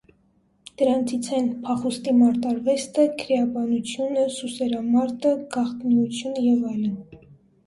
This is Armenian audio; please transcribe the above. Դրանից են՝ փախուստի մարտարվեստը, քրեաբանությունը, սուսերամարտը, գաղտնիությունը և այլն։